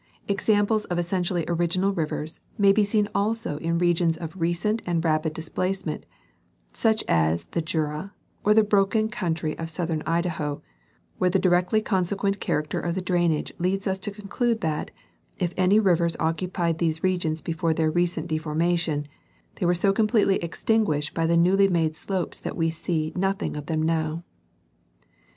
Exam ples of essentially original rivers may be seen also in regions of recent and rapid displacement, such as the Jura or the broken country of southern Idaho, where the directly consequent charac ter of the drainage leads us to conclude that, if any rivers occu pied these regions before their recent deformation, they were so completely extinguished by the newly made slopes that we see nothing of them now.